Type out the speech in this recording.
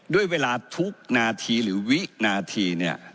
ด้วยเวลาทุกนาทีหรือวินาทีเนี่ย